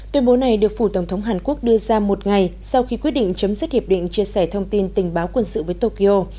tuyên bố này được phủ tổng thống hàn quốc đưa ra một ngày sau khi quyết định chấm dứt hiệp định chia sẻ thông tin tình báo quân sự với tokyo